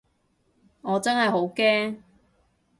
我真係好驚